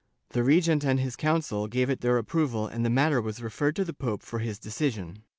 The regent and his council gave it their approval and the matter was referred to the pope for his decision.